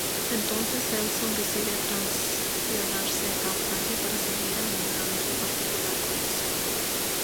Entonces Delson decide trasladarse a Francia para seguir aumentando su particular colección.